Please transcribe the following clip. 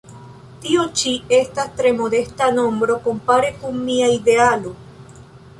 Tio ĉi estas tre modesta nombro kompare kun mia idealo.